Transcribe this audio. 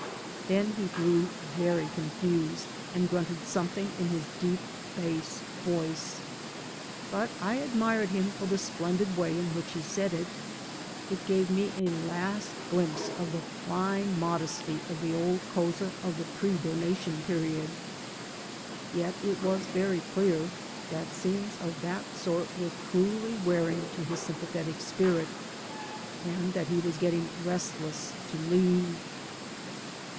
'* Then he grew very confused and grunted something in his deep, bass voice. But I admired him for the splendid way in which he said it. It gave me a last glimpse of the fine modesty of the old Couza of the pre donation period. Yet it was very clear that scenes of that sort were cruelly wearing to his sympathetic spirit, and that he was getting restless to leave.